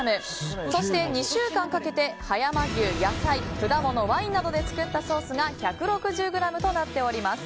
そして、２週間かけて葉山牛、野菜、果物ワインなどで作ったソースが１６０ｇとなっております。